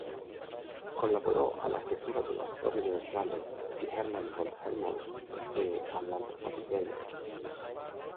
Collaborò alla stesura della "Storia universale" di Hermann von Helmholtz e all'Anthropophyteia.